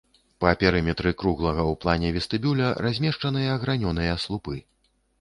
Па перыметры круглага ў плане вестыбюля размешчаныя гранёныя слупы.